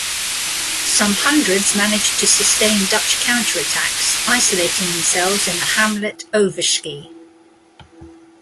Some hundreds managed to sustain Dutch counter-attacks isolating themselves in the hamlet Overschie.